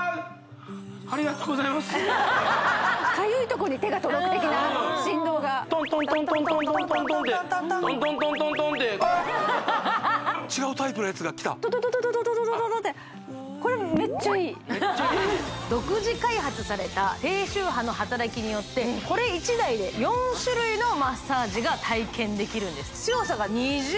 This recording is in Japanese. かゆいとこに手が届く的な振動がトントントントントントンってトントントントントンってトトトトトって独自開発された低周波の働きによってこれ１台で４種類のマッサージが体験できるんです